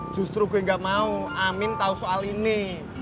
justru gue gak mau amin tahu soal ini